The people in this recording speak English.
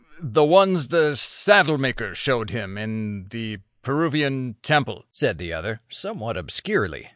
"The ones the saddlemaker showed him in the Peruvian temple," said the other, somewhat obscurely.